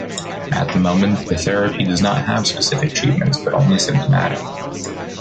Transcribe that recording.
At the moment the therapy does not have specific treatments, but only symptomatic.